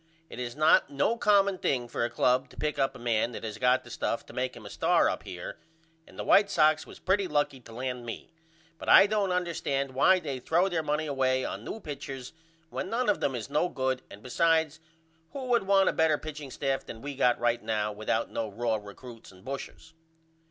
It is not no common thing for a club to pick up a man that has got the stuff to make him a star up here and the White Sox was pretty lucky to land me but I don't understand why they throw their money away on new pitchers when none of them is no good and besides who would want a better pitching staff than we got right now without no raw recruts and bushers.